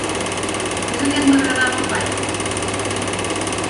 Més aviat m'agradava el paio.